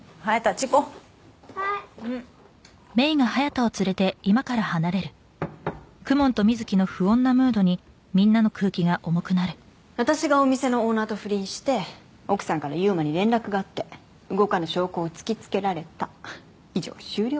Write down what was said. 行こうはい私がお店のオーナーと不倫して奥さんから悠馬に連絡があって動かぬ証拠を突きつけられた以上終了